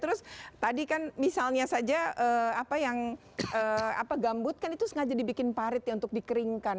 terus tadi kan misalnya saja apa yang gambut kan itu sengaja dibikin parit ya untuk dikeringkan